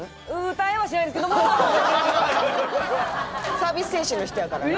サービス精神の人やからな。